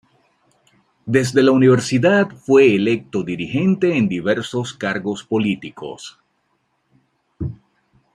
Desde la Universidad fue electo dirigente en diversos cargos políticos.